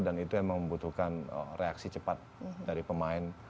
dan itu memang membutuhkan reaksi cepat dari pemain